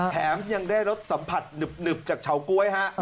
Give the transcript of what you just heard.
แถมยังได้รสสัมผัสหนึบจากเฉาก๊วยฮะ